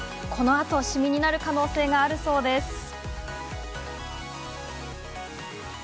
このあとシミになる可能性があるそうです。